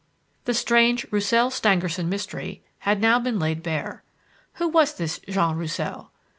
The strange Roussel Stangerson mystery had now been laid bare. Who was this Jean Roussel?